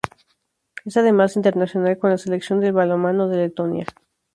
Es además internacional con la Selección de balonmano de Letonia.